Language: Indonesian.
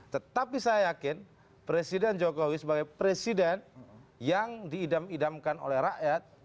tetapi saya yakin presiden jokowi sebagai presiden yang diidam idamkan oleh rakyat